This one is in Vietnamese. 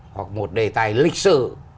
hoặc một đề tài lịch sự